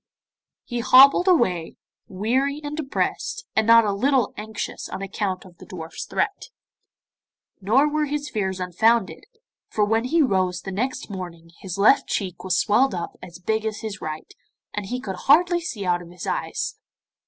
He hobbled away, weary and depressed, and not a little anxious on account of the dwarfs' threat. Nor were his fears unfounded, for when he rose next morning his left cheek was swelled up as big as his right, and he could hardly see out of his eyes.